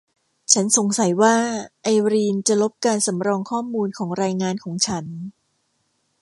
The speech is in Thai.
ฉันสงสัยว่าไอรีนจะลบการสำรองข้อมูลของรายงานของฉัน